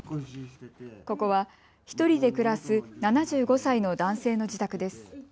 ここは１人で暮らす、７５歳の男性の自宅です。